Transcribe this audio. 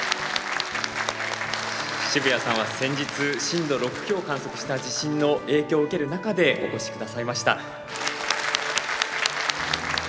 渋谷さんは先日震度６強を観測した地震の影響を受ける中でお越し下さいました。